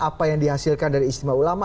apa yang dihasilkan dari istimewa ulama